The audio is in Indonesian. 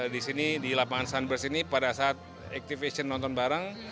di sini di lapangan sunburst ini pada saat activation nonton bareng